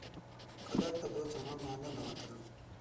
کلا ته دوه ځوانان ور ننوتل.